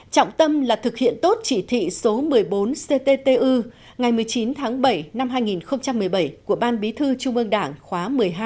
trọng tâm là thực hiện tốt chỉ thị số một mươi bốn cttu ngày một mươi chín tháng bảy năm hai nghìn một mươi bảy của ban bí thư trung ương đảng khóa một mươi hai